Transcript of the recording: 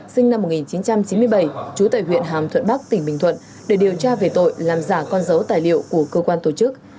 sinh năm một nghìn chín trăm chín mươi bảy trú tại huyện hàm thuận bắc tỉnh bình thuận để điều tra về tội làm giả con dấu tài liệu của cơ quan tổ chức